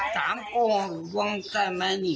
ทำก้องกลวงจ้ะไหมนี่